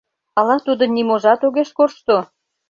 Ала тудын ниможат огеш коршто?